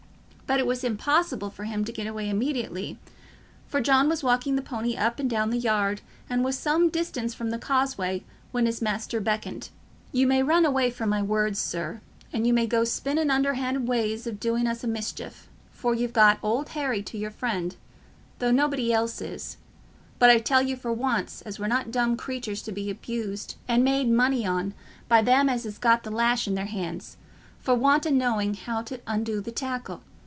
But it was impossible for him to get away immediately, for John was walking the pony up and down the yard, and was some distance from the causeway when his master beckoned. "You may run away from my words, sir, and you may go spinnin' underhand ways o' doing us a mischief, for you've got Old Harry to your friend, though nobody else is, but I tell you for once as we're not dumb creatures to be abused and made money on by them as ha' got the lash i' their hands, for want o' knowing how t' undo the tackle.